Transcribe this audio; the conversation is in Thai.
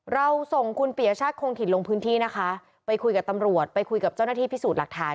เราส่งคุณปียชาติคงถิ่นลงพื้นที่นะคะไปคุยกับตำรวจไปคุยกับเจ้าหน้าที่พิสูจน์หลักฐาน